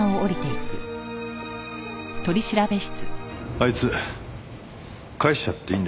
あいつ帰しちゃっていいんですか？